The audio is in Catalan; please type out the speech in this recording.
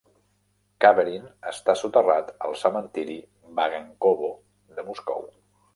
Kaverin està soterrat al cementiri Vagankovo de Moscou.